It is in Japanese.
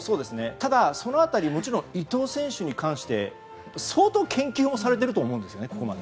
ただ、その辺りもちろん伊藤選手に関して相当研究をされていると思うんですね、ここまで。